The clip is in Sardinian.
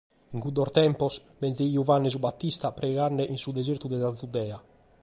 In cuddos tempos benzeit Juanne su Batista preighende in su desertu de sa Giudea.